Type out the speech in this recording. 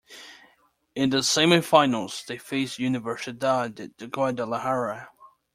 In the semi-finals, they faced Universidad de Guadalajara.